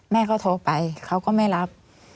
แม่เขาโทรไปเขาก็ไม่รับ